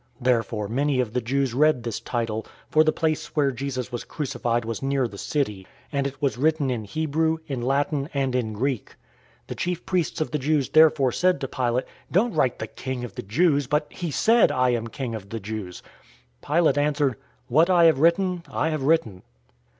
019:020 Therefore many of the Jews read this title, for the place where Jesus was crucified was near the city; and it was written in Hebrew, in Latin, and in Greek. 019:021 The chief priests of the Jews therefore said to Pilate, "Don't write, 'The King of the Jews,' but, 'he said, I am King of the Jews.'" 019:022 Pilate answered, "What I have written, I have written."